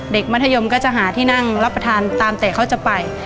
มัธยมก็จะหาที่นั่งรับประทานตามแต่เขาจะไป